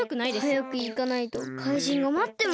はやくいかないとかいじんがまってます。